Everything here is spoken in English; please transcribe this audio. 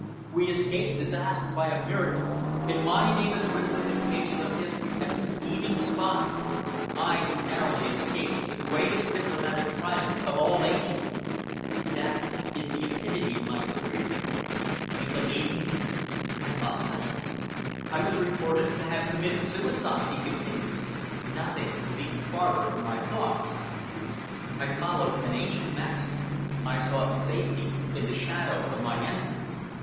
We escaped disaster by a miracle and my name is written in the pages of history as a scheming spy I who narrowly escaped the greatest diplomatic triumph of all ages. That is the epitome of my career. You believe me?" "I must," I answered. "I was reported to have committed suicide," he continued. "Nothing was ever farther from my thoughts." I followed an ancient maxim. I sought safety in the shadow of the enemy.